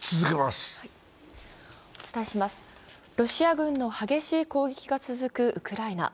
ロシア軍の激しい攻撃が続くウクライナ。